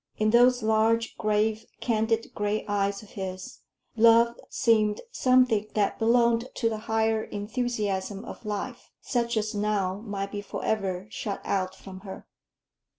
In those large, grave, candid gray eyes of his, love seemed something that belonged to the high enthusiasm of life, such as now might be forever shut out from her.